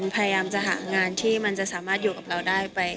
พยายามจะหางานที่มันจะสามารถอยู่กับเราได้ไป